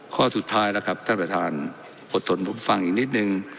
ข้อสุดท้ายแล้วครับท่านประธานอดทนผมฟังอีกนิดนึง